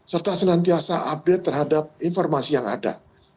serta senantiasa update terhadap informasi yang ada